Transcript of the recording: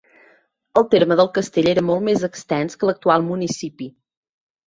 El terme del castell era molt més extens que l'actual municipi.